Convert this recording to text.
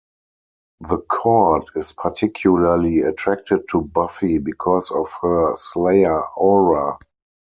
The korred is particularly attracted to Buffy because of her Slayer aura.